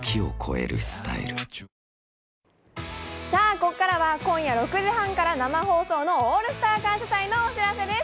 ここからは今夜６時半から生放送の「オールスター感謝祭」のお知らせです。